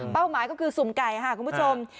หมายก็คือสุ่มไก่ค่ะคุณผู้ชม